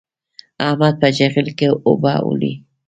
احمد په چيغل کې اوبه وړي.